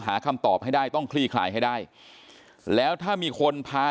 หาคำตอบให้ได้ต้องคลี่คลายให้ได้แล้วถ้ามีคนพา